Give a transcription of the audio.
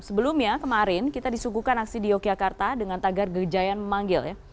sebelumnya kemarin kita disuguhkan aksi di yogyakarta dengan tagar gejayan memanggil ya